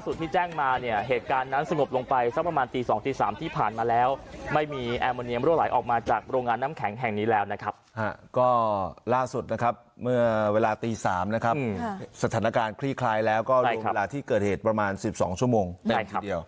สถานการณ์คลี่คลายแล้วก็ลงเวลาที่เกิดเหตุประมาณ๑๒ชั่วโมงแปลงทีเดียว